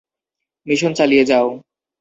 Mission চালিয়ে যাও!